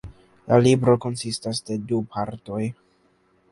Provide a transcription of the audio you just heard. La libro konsistas de du partoj.